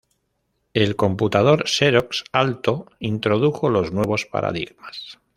El computador Xerox Alto introdujo los nuevos paradigmas.